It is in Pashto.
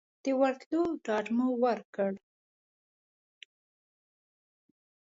د ورتلو ډاډ مو ورکړ.